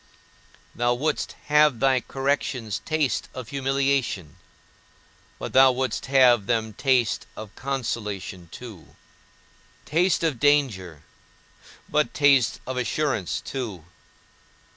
Thou wouldst have thy corrections taste of humiliation, but thou wouldst have them taste of consolation too; taste of danger, but taste of assurance too.